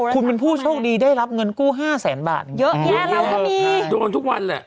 คุณเป็นผู้โชคดีได้รับเงินกู้ห้าแสนบาทเยอะแยะเลยโดนทุกวันแหละ